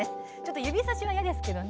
指さしは嫌ですけどね。